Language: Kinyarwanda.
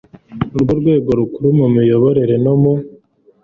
rwo rwego rukuru mu miyoborere no mu